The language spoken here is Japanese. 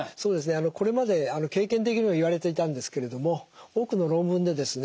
これまで経験的にも言われていたんですけれども多くの論文でですね